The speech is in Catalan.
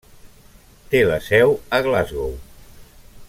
Té la seu a Glasgow.